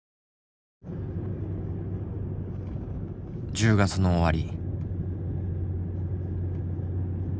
１０月の終わり。